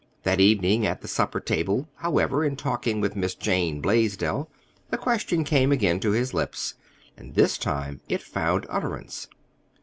That evening at the supper table, however, in talking with Mrs. Jane Blaisdell, the question came again to his lips; and this time it found utterance.